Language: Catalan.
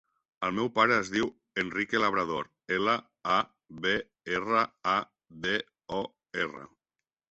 El meu pare es diu Enrique Labrador: ela, a, be, erra, a, de, o, erra.